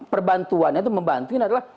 perbantuan itu membantuin adalah